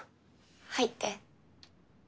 入って。